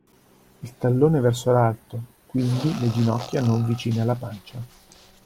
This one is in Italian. Il tallone verso l'alto, quindi le ginocchia non vicine alla pancia.